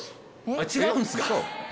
違うんすか？